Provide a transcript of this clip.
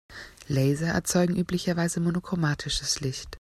Laser erzeugen üblicherweise monochromatisches Licht.